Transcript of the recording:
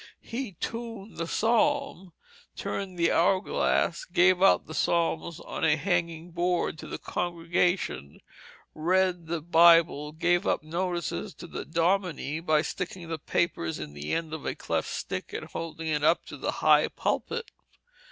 He "tuned the psalm"; turned the hour glass; gave out the psalms on a hanging board to the congregation; read the Bible; gave up notices to the domine by sticking the papers in the end of a cleft stick and holding it up to the high pulpit.